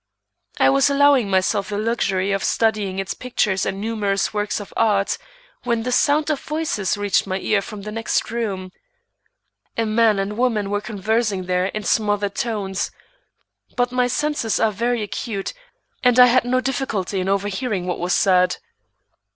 I was allowing myself the luxury of studying its pictures and numerous works of art, when the sound of voices reached my ear from the next room. A man and woman were conversing there in smothered tones, but my senses are very acute, and I had no difficulty in overhearing what was said.